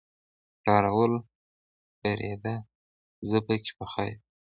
ډارول پرېده زه پکې پخه يم.